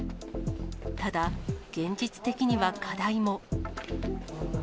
ただ、現実的には課題も。